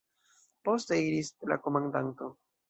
Poste iris la komandanto.